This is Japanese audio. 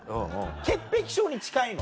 潔癖症に近いの？